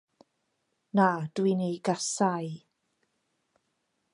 Na, dw i'n ei gasáu.